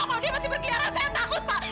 kalau dia masih berkeliaran saya takut pak